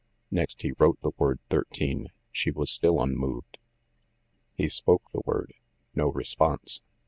Next, he wrote the word "thirteen" ; she was still unmoved. He spoke the word; no response.